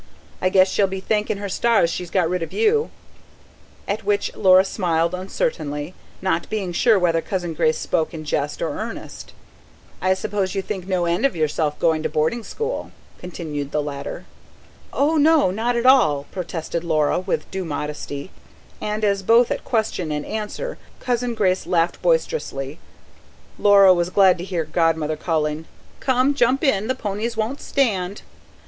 "I guess she'll be thanking her stars she's got rid of you;" at which Laura smiled uncertainly, not being sure whether Cousin Grace spoke in jest or earnest. "I suppose you think no end of yourself going to boarding school?" continued the latter. "Oh no, not at all," protested Laura with due modesty; and as both at question and answer Cousin Grace laughed boisterously, Laura was glad to hear Godmother calling: "Come, jump in. The ponies won't stand."